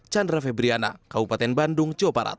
chandra febriana kabupaten bandung joparat